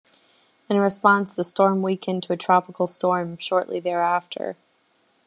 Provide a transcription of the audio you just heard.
In response, the storm weakened to a tropical storm shortly thereafter.